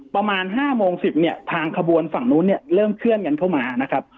ประมาณ๕โมง๑๐เนี่ยทางขบวนฝั่งนู้นเนี่ยเริ่มเคลื่อนกันเข้ามานะครับ